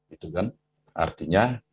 itu kan artinya